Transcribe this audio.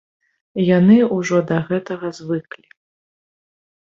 Яны ўжо да гэтага звыклі.